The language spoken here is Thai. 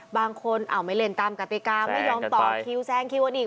บางคนไม่เล่นตามกติกาไม่ยอมต่อคิวแซงคิวกันอีก